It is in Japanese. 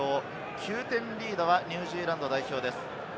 ９点リードはニュージーランド代表です。